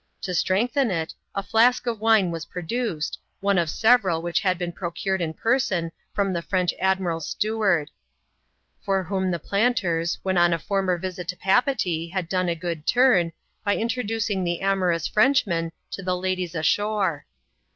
To strengthen it, a flask of wine was produced, one of several which had beeo procured in person from the French admiral's steward; for whom the planters, when on a former visit to Papeetee, had done a good turn, by introducing the amorous Frenchman to the ladies ashore.